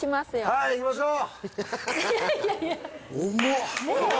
はい行きましょう。